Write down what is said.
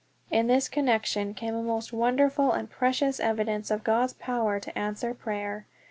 In this connection came a most wonderful and precious evidence of God's power to answer prayer.